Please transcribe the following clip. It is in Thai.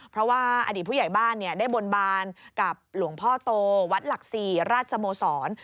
เพราะว่าอดีตผู้ใหญ่บ้านได้บนบานกับหลวงพ่อโตวัดหลักศรีราชสโมสร